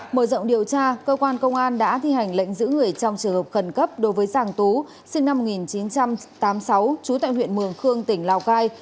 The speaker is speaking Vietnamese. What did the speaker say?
mở rộng điều tra cơ quan công an đã thi hành lệnh giữ người trong trường hợp khẩn cấp đối với giàng tú sinh năm một nghìn chín trăm tám mươi sáu trú tại huyện mường khương tỉnh lào cai